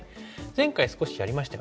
前回少しやりましたよね。